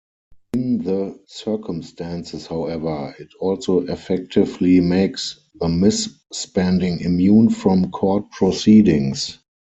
In the circumstances, however, it also effectively makes the misspending immune from court proceedings.